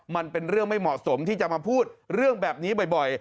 มันเป็นเรื่องไม่เหมาะสมที่จะมาพูดเรื่องแบบนี้บ่อย